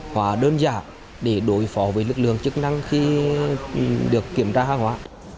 hóa đơn giản để đối phó với lực lượng chức năng khi được kiểm tra hàng hóa